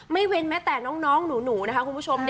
เว้นแม้แต่น้องหนูนะคะคุณผู้ชม